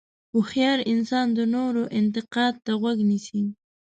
هوښیار انسان د نورو انتقاد ته غوږ نیسي.